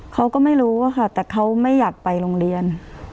เขาก็ไม่รู้อะค่ะแต่เขาไม่อยากไปโรงเรียน